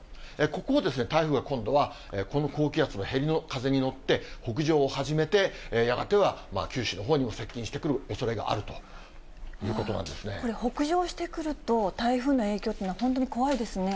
ここを台風が今度はこの高気圧のへりの風に乗って北上を始めて、やがては九州のほうにも接近してくるおそれがあるということなんこれ、北上してくると、台風の影響っていうのは、本当に怖いですね。